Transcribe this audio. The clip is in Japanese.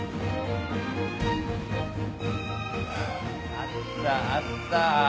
あったあった！